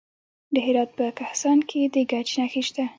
د هرات په کهسان کې د ګچ نښې شته.